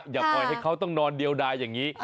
อย่าปล่อยให้เขาต้องนอนเดียวดายอย่างนี้